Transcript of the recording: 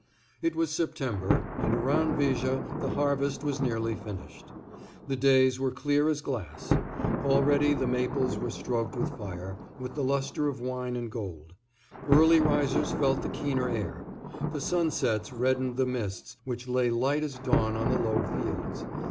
It was September, and around Viger the harvest was nearly finished. The days were clear as glass; already the maples were stroked with fire, with the lustre of wine and gold; early risers felt the keener air; the sunsets reddened the mists which lay light as lawn on the low fields.